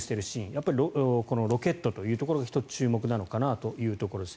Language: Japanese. やっぱりロケットというところが１つ注目なのかなと思います。